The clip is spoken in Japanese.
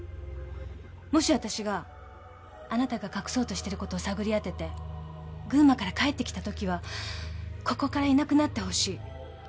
もしあたしがあなたが隠そうとしてることを探り当てて群馬から帰ってきたときはここからいなくなってほしい。